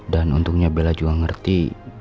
dan untungnya bella juga ngerti